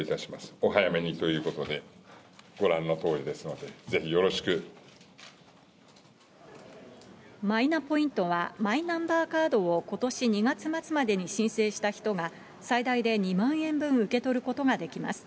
お早めにということで、ご覧のとマイナポイントは、マイナンバーカードをことし２月末までに申請した人が、最大で２万円分受け取ることができます。